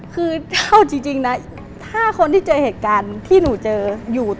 คือถ้าเอาจริงนะถ้าคนที่เจอเหตุการณ์ที่หนูเจออยู่